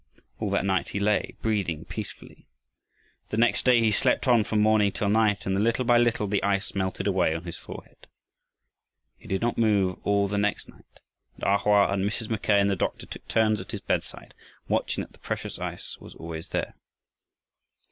All that night he lay, breathing peacefully, the next day he slept on from morning till night, and little by little the ice melted away on his forehead. He did not move all the next night, and A Hoa and Mrs. Mackay and the doctor took turns at his bedside watching that the precious ice was always there.